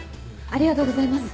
ありがとうございます。